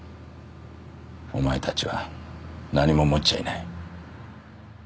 お前たちは何も持っちゃいない。